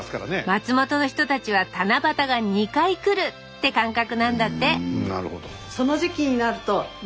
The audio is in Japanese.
松本の人たちは七夕が２回来る！って感覚なんだってなるほど。